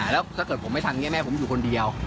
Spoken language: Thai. แล้วถ้าเกิดผมไม่ทำอย่างนี้แม่ผมอยู่คนเดียว